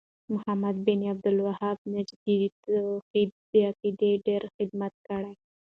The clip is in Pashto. محمد بن عبد الوهاب نجدي د توحيد د عقيدې ډير خدمت کړی